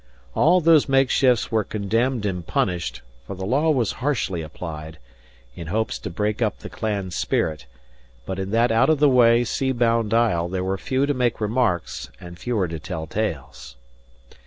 All those makeshifts were condemned and punished, for the law was harshly applied, in hopes to break up the clan spirit; but in that out of the way, sea bound isle, there were few to make remarks and fewer to tell tales.